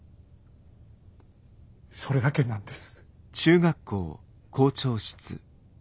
それだけなんです。